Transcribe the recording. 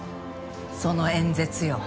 その演説よ。